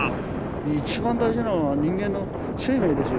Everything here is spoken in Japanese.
一番大事なのは人間の生命ですよ。